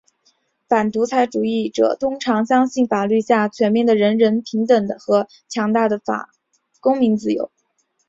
反独裁主义者通常相信法律下全面的人人平等的和强大的公民自由。